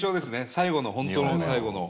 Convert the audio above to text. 最後の本当の最後のはい。